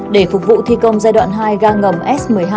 để phục vụ thi công giai đoạn hai ga ngầm s một mươi hai